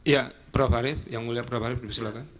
ya prof arief yang mulia prof arief silakan